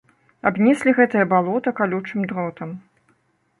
Абнеслі гэтае балота калючым дротам.